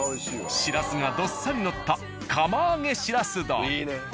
しらすがどっさりのった釜揚げしらす丼。